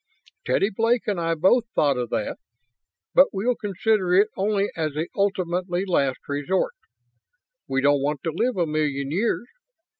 Teddy Blake and I both thought of that, but we'll consider it only as the ultimately last resort. We don't want to live a million years.